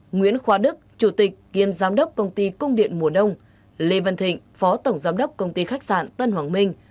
nguyễn khoa đức chủ tịch kiêm giám đốc công ty cung điện mùa đông lê văn thịnh phó tổng giám đốc công ty khách sạn tân hoàng minh